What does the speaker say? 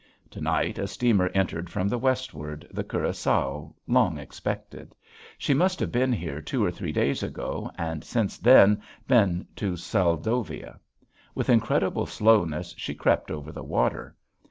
To night a steamer entered from the westward, the Curaçao, long expected. She must have been here two or three days ago and since then been to Seldovia. With incredible slowness she crept over the water.